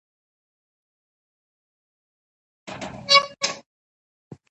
تاريخي دروغ ملتونه له منځه وړي.